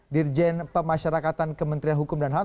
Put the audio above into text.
dirjen pemasyarakatan kementerian hukum dan ham